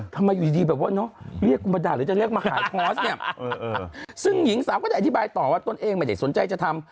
อยู่ดีแบบว่าเนอะเรียกกูมาด่าหรือจะเรียกมาหาคอร์สเนี่ยซึ่งหญิงสาวก็ได้อธิบายต่อว่าตนเองไม่ได้สนใจจะทำ